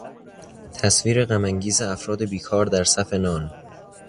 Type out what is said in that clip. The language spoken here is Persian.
تصویر غمانگیز افراد بیکار در صف نان